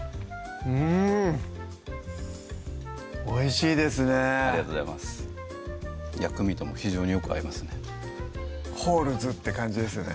おいしいですねありがとうございます薬味とも非常によく合いますね「ＨＡＬＬＳ．」っていう感じですよね